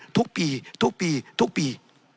ทุกปี